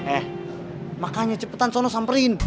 eh makanya cepetan sono samperin